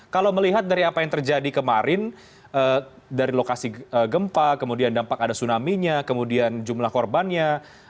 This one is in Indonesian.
kalau melihat dari apa yang terjadi kemarin dari lokasi gempa kemudian dampak ada tsunami nya kemudian jumlah korbannya